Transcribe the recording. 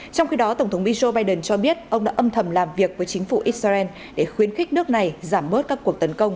trong khi đó tổng thống mỹ joe biden cho biết ông đã âm thầm làm việc với chính phủ israel để khuyến khích nước này giảm bớt các cuộc tấn công